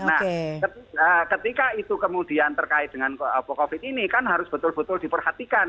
nah ketika itu kemudian terkait dengan covid ini kan harus betul betul diperhatikan